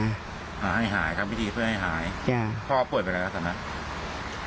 หาให้หายทำพิธีเพื่อนให้หายพ่อป่วยไปแล้วครับสำหรับ